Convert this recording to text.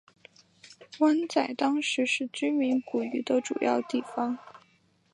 湾仔当时是居民捕鱼的主要地方。